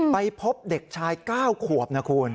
ไปพบเด็กชาย๙ขวบนะคุณ